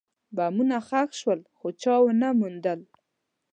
بمونه ښخ شول، خو چا ونه موندل.